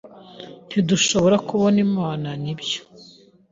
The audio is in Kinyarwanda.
Ntidushobora kubona Imana nibyo